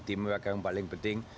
teamwork yang paling penting